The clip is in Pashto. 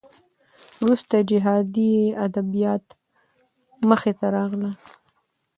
وروسته جهادي ادبیات مخې ته راغلل.